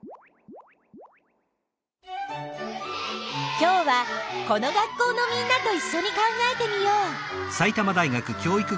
今日はこの学校のみんなといっしょに考えてみよう。